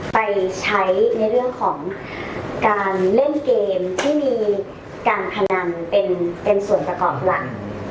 ไปใช้ในเรื่องของการเล่นเกมที่มีการพนันเป็นส่วนประกอบหลัก